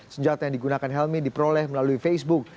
senjata yang digunakan helmi diperoleh melalui facebook